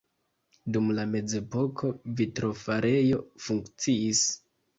Dum la mezepoko vitrofarejo funkciis.